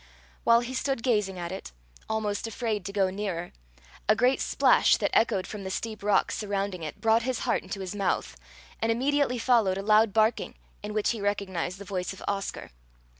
While he stood gazing at it, almost afraid to go nearer, a great splash that echoed from the steep rocks surrounding it, brought his heart into his mouth, and immediately followed a loud barking, in which he recognized the voice of Oscar.